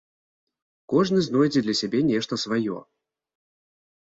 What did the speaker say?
Кожны знойдзе для сябе нешта сваё.